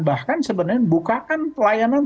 bahkan sebenarnya bukakan pelayanan